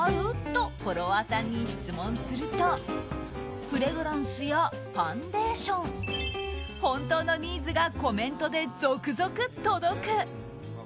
とフォロワーさんに質問するとフレグランスやファンデーション本当のニーズがコメントで続々届く！